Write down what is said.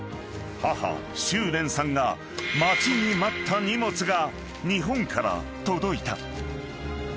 母秋蓮さんが待ちに待った荷物が日本から届いた］